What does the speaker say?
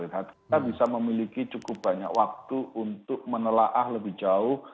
kita bisa memiliki cukup banyak waktu untuk menelaah lebih jauh